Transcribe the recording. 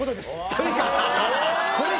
とにかく。